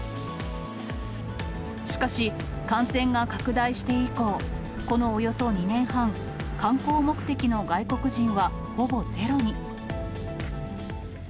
しかし感染が拡大して以降、このおよそ２年半、観光目的の外国人はほぼゼロに。